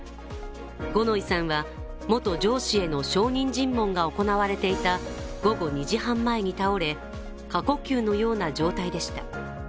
五ノ井さんは元上司への証人尋問が行われていた午後２時半前に倒れ、過呼吸のような状態でした。